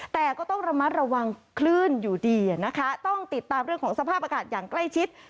แต่ก็ต้องระมัดระวังคลื่นอยู่ดีนะคะต้องติดตามเรื่องของสภาพอากาศอย่างใกล้ชิด